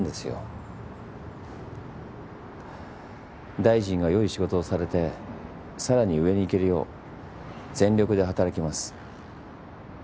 大臣が良い仕事をされて更に上に行けるよう全力で働きます。